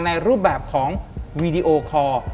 ในรูปแบบของวีดีโอคอร์